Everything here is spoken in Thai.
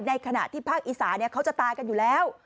ขณะที่ภาคอีสาเขาจะตายกันอยู่แล้ว